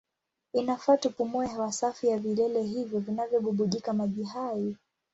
Inafaa tupumue hewa safi ya vilele hivyo vinavyobubujika maji hai.